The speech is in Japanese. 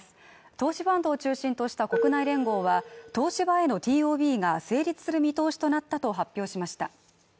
投資ファンドを中心とした国内連合は東芝へのＴＯＢが成立する見通しとなったと発表しました